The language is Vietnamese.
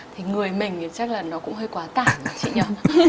thì người mình thì chắc là nó cũng hơi quá tản chị nhớ